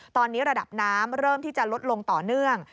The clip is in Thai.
ตอนนี้ระดับน้ำเริ่มที่จะลดลงต่อเนื่อง